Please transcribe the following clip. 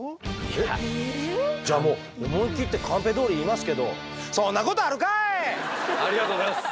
いやじゃあもう思い切ってカンペどおり言いますけどありがとうございます。